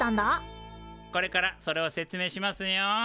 これからそれを説明しますよ。